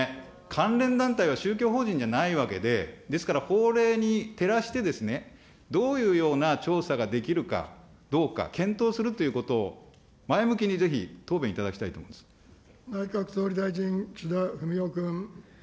関連団体は宗教法人じゃないわけで、ですから法令に照らして、どういうような調査ができるかどうか、検討するということを、前向きにぜひ、内閣総理大臣、岸田文雄君。